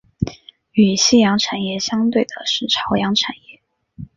与夕阳产业相对的是朝阳产业。